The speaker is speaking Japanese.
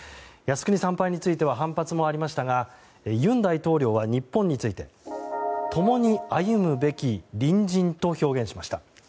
靖国参拝については反発もありましたが尹大統領は日本について共に歩むべき隣人と表現しました。